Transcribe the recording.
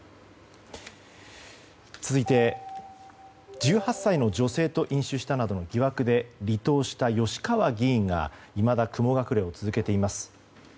続いて１８歳の女性と飲酒したなどの疑惑で離党した吉川議員がいまだ雲隠れを続けています。